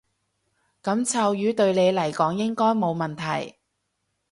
噉臭魚對你嚟講應該冇問題